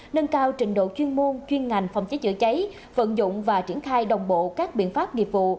nâng cao trình độ chuyên môn chuyên ngành phòng cháy chữa cháy vận dụng và triển khai đồng bộ các biện pháp nghiệp vụ